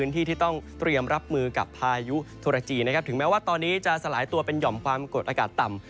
ตอนนี้จะสลายตัวเป็นหย่อมความกดอากาศต่ำ